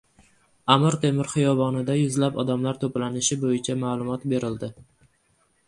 Amir Temur xiyobonida yuzlab odamlar to‘planishi bo‘yicha ma’lumot berildi